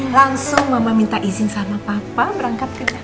langsung mama minta izin sama papa berangkat ke jalan